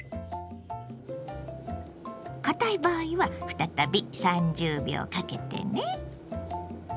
堅い場合は再び３０秒かけてね。